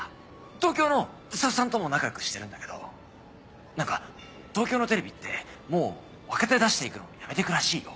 東京のスタッフさんとも仲良くしてるんだけど何か東京のテレビってもう若手出していくのやめてくらしいよ。